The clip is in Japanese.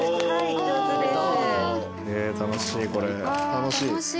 上手です。